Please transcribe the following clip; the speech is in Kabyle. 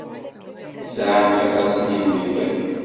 Tesɛamt aṭas n yimeddukal.